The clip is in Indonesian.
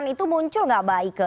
itu muncul nggak mbak ike